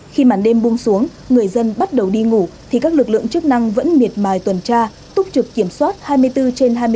khi màn đêm buông xuống người dân bắt đầu đi ngủ thì các lực lượng chức năng vẫn miệt mài tuần tra túc trực kiểm soát hai mươi bốn trên hai mươi bốn